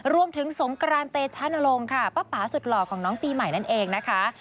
รวมถึงสงกรานเตชะนรงค์ค่ะป้าป๋าสุดหล่อของน้องปีใหม่นั่นเองนะคะ